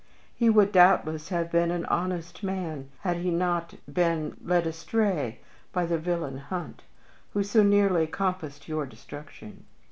He would, doubtless, have been an honest man had he not been led astray by the villain Hunt, who so nearly compassed your destruction.